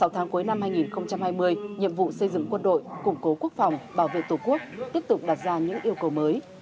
sáu tháng cuối năm hai nghìn hai mươi nhiệm vụ xây dựng quân đội củng cố quốc phòng bảo vệ tổ quốc tiếp tục đặt ra những yêu cầu mới